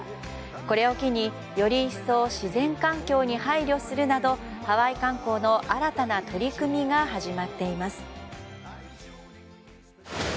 これを機に、より一層自然環境に配慮するなどハワイ観光の新たな取り組みが始まっています。